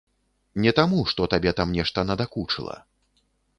Не таму, што табе там нешта надакучыла.